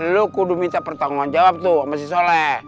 lu kudu minta pertanggung jawab tuh sama si soleh